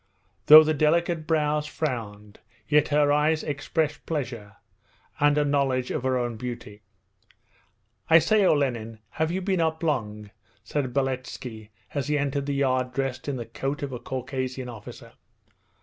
Though the delicate brows frowned, yet her eyes expressed pleasure and a knowledge of her own beauty. 'I say, Olenin, have you been up long?' said Beletski as he entered the yard dressed in the coat of a Caucasian officer.